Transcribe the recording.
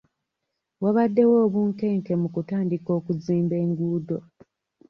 Wabadewo obunkenke mu kutandika okuzimba enguudo.